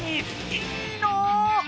いいの⁉